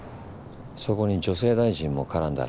そこに女性大臣も絡んだら？